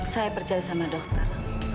saya percaya sama dokter